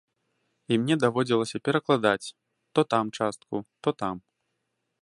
І мне даводзілася перакладаць, то там частку, то там.